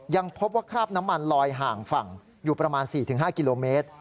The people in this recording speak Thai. ยังพบว่าคราบน้ำมันลอยห่างฝั่งอยู่ประมาณ๔๕กิโลเมตร